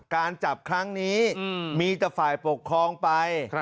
การจับครั้งนี้มีแต่ฝ่ายปกครองไป